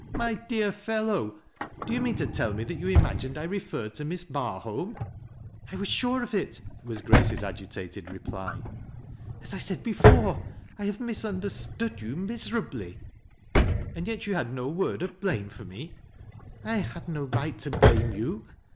" My dear fellow, do you mean to tell me that yo« imasrined I referred to Miss Barhclm %" THE LBOmiON. 223 " I wag sure of it," was Grace's agitated reply. '' As 1 said before, T have misunderstood you miserably." " And yet you had no word of blame for me ?"" I had no right to blame you.